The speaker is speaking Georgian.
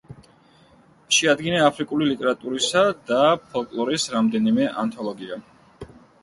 შეადგინა აფრიკული ლიტერატურისა და ფოლკლორის რამდენიმე ანთოლოგია.